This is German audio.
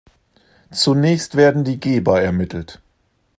Zunächst werden die Geber ermittelt.